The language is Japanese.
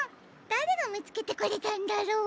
だれがみつけてくれたんだろう？